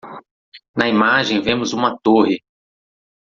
Na imagem vemos uma torre.